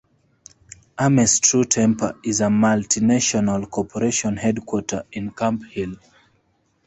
Ames True Temper is a multinational corporation headquartered in Camp Hill.